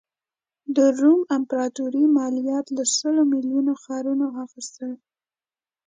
د روم امپراتوري مالیات له سل میلیونه ښاریانو اخیستل.